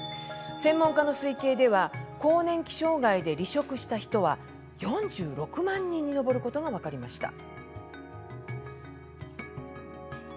専門家の推計では更年期障害で離職した人は４６万人に上ることが分かりました。